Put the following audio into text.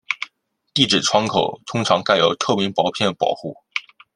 地址窗口通常盖有透明薄片保护。